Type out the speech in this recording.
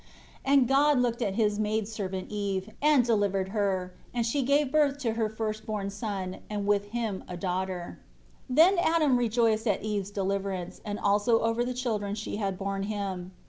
5 And God looked at His maid servant Eve, and delivered her, and she gave birth to her first born son, and with him a daughter. 6 The Adam rejoiced at Eve's deliverance, and also over the children she had borne him.